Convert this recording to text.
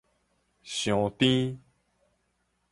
傷甜